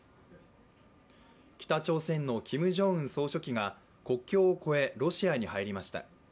北朝鮮のキム・ジョンウン総書記が国境を越えロシアに入りました。